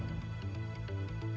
aku akan mencari